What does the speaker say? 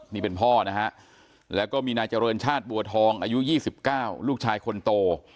นี่เป็นพ่อนะฮะแล้วก็มีนายเจริญชาติบัวทองอายุ๒๙ลูกชายคนโต